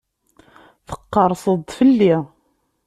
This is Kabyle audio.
Tqerrseḍ-d fell-i.